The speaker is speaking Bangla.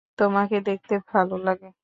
তোমাকে দেখতে ভাল লাগে।